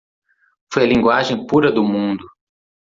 Foi a Linguagem pura do mundo.